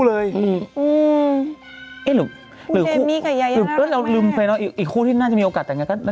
เมื่อกี้จังหวะที่เราคุยกันหนูพยายามแอบส่องสายตา